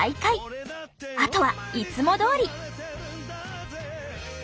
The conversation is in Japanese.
あとはいつもどおり。